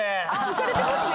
浮かれてますね。